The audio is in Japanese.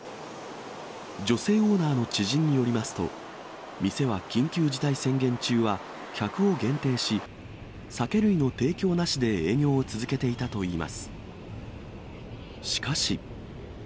女性オーナーの知人によりますと、店は緊急事態宣言中は客を限定し、酒類の提供なしで営業を続けていたといいます。